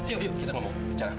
yuk yuk kita ngomong bicara